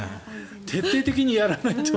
徹底的にやらないと。